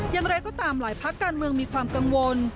อย่างไรก็ตามหลายภาคการเมืองมีความกังวล